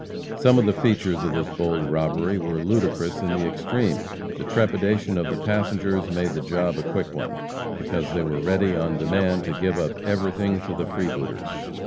Some of the features of this bold robbery were ludicrous in the extreme. The trepidation of the passengers made the job a quick one, because they were ready on demand to give up everything to the freebooters.